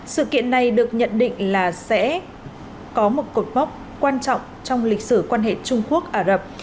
sự kiện này được nhận định là sẽ có một cột mốc quan trọng trong lịch sử quan hệ trung quốc ả rập